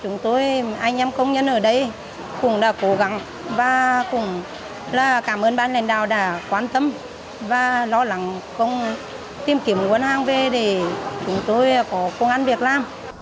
người dân đã tìm kiếm nguồn hàng về để chúng tôi có công an việc làm